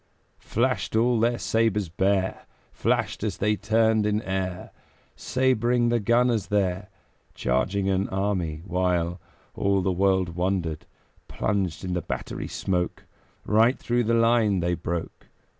Flashed all their sabres bare, Flashed as they turned in air, Sabring the gunners there, Charging an army, while All the world wondered; Plunged in the battery smoke, Right through the line they broke.